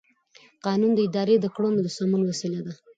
قانون د ادارې د کړنو د سمون وسیله ده.